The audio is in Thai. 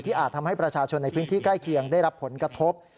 อาจทำให้ประชาชนในพื้นที่ใกล้เคียงได้รับผลกระทบ